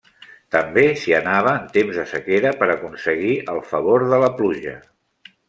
També s'hi anava en temps de sequera per aconseguir el favor de la pluja.